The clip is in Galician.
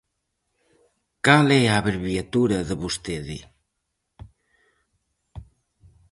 Cal é a abreviatura de 'vostede'?